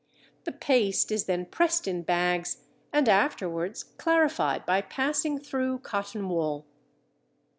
The paste is then pressed in bags and afterwards clarified by passing through cotton wool.